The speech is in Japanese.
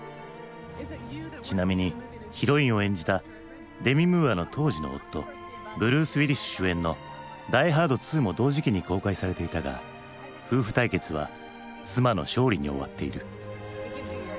ちなみにヒロインを演じたデミ・ムーアの当時の夫ブルース・ウィリス主演の「ダイ・ハード２」も同時期に公開されていたが夫婦対決は妻の勝利に終わっている。